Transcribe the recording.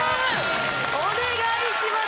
お願いします